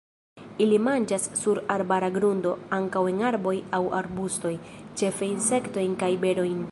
Ili manĝas sur arbara grundo, ankaŭ en arboj aŭ arbustoj, ĉefe insektojn kaj berojn.